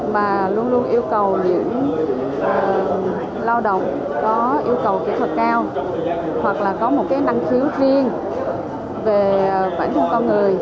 mà luôn luôn yêu cầu những lao động có yêu cầu kỹ thuật cao hoặc là có một cái năng khiếu riêng về khoảnh thu con người